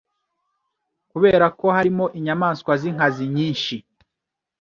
kubera ko harimo inyamaswa z’inkazi nyinshi,